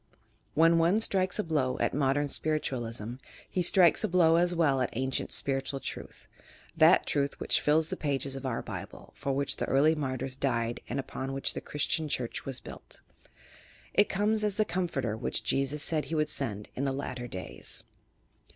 When one striltes a blow at Mod ern Spiritualism, he strilies a blow as well at ancient spiritual truth — that Truth which fills the pages of our Bible, for which the early martyrs died and upon which the Christian Church was built. It comes as the Com forter which Jesus said he would send in the "latter days.